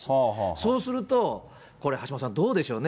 そうすると、これ、橋本さん、どうでしょうね、